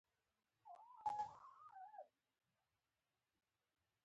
مصنوعي ځیرکتیا د دوامدارې زده کړې زمینه برابروي.